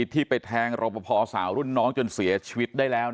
ที่ไปแทงรบพอสาวรุ่นน้องจนเสียชีวิตได้แล้ว